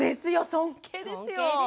尊敬ですよ。